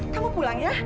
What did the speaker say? kamu pulang ya